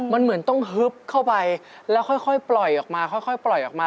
มันเหมือนต้องฮึบเข้าไปแล้วค่อยปล่อยออกมาค่อยปล่อยออกมา